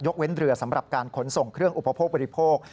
เว้นเรือสำหรับการขนส่งเครื่องอุปโภคบริโภค